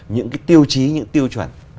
những cái tiêu chí những tiêu chuẩn